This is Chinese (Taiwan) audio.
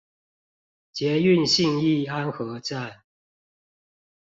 捷運信義安和站